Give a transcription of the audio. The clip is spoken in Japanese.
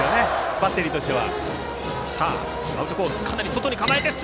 バッテリーとしては。